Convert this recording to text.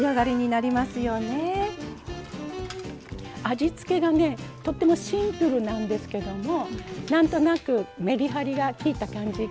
味付けがねとってもシンプルなんですけども何となくめりはりがきいた感じかな。